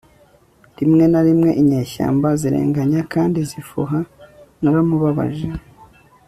Rimwe na rimwe inyeshyamba zirenganya kandi zifuha naramubabaje